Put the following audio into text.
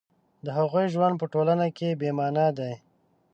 د هغوی ژوند په ټولنه کې بې مانا دی